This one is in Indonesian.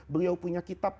beliau punya kitab